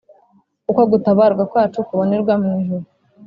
Kuko gutabarwa kwacu kubonerwa mwijuru